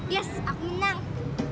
yes aku menang